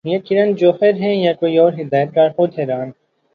یہ کرن جوہر ہیں یا کوئی اور ہدایت کار خود حیران